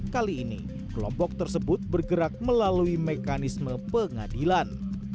kali ini kelompok tersebut bergerak melalui mekanisme pengadilan